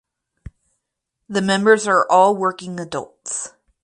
The members are all working adults.